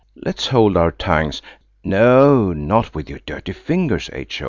Let's hold our tongues (no, not with your dirty fingers, H.